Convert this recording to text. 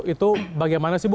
itu bagaimana sih bu